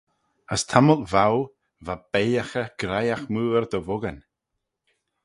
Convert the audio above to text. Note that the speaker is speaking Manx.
As tammylt voue va beiyhaghey griagh mooar dy vuckyn.